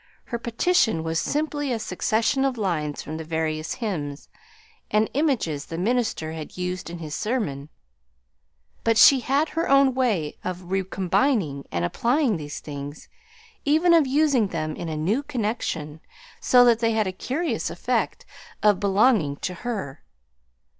Her petition was simply a succession of lines from the various hymns, and images the minister had used in his sermon, but she had her own way of recombining and applying these things, even of using them in a new connection, so that they had a curious effect of belonging to her.